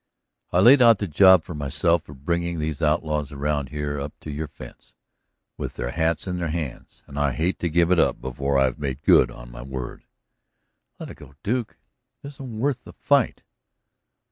"I laid out the job for myself of bringing these outlaws around here up to your fence with their hats in their hands, and I hate to give it up before I've made good on my word." "Let it go, Duke; it isn't worth the fight."